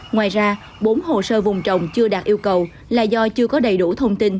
ngoài ra bốn hồ sơ vùng trồng chưa đạt yêu cầu là do chưa có đầy đủ thông tin